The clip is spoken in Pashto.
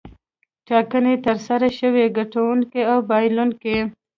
ټاکنې ترسره شوې ګټونکی او بایلونکی.